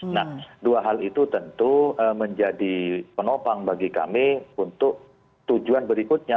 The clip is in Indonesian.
nah dua hal itu tentu menjadi penopang bagi kami untuk tujuan berikutnya